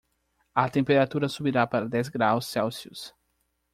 A temperatura subirá para dez graus Celsius.